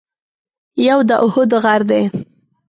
یو د اُحد غر دی.